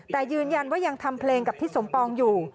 แต่ยืนยันว่ายังทำเพลงกับทิศสมปองอยู่